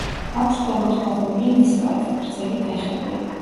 აქვს ქვემოთ მოღუნული ნისკარტი, გრძელი ფეხები.